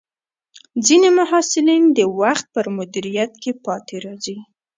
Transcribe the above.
ځینې محصلین د وخت پر مدیریت کې پاتې راځي.